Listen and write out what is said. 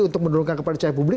untuk menurunkan kepercayaan publik